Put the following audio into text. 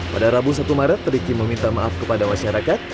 pada rabu satu maret riki meminta maaf kepada masyarakat